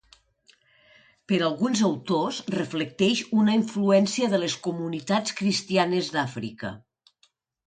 Per a alguns autors reflecteix una influència de les comunitats cristianes d'Àfrica.